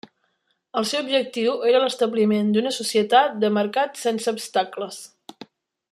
El seu objectiu era l'establiment d'una societat de mercat sense obstacles.